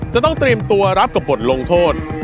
จะต้องเตรียมตัวรับกับบทลงโทษ